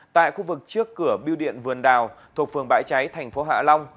tại khu vực trước cửa biêu điện vườn đào thuộc phường bãi cháy tp hạ long